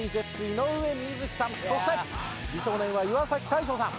井上瑞稀さんそして美少年は岩大昇さん。